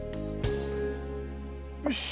よし。